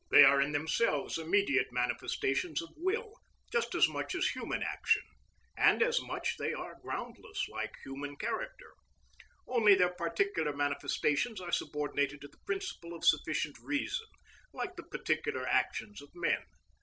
They are in themselves immediate manifestations of will, just as much as human action; and as such they are groundless, like human character. Only their particular manifestations are subordinated to the principle of sufficient reason, like the particular actions of men.